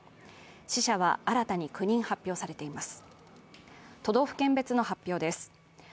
死者は新たに９人発表されています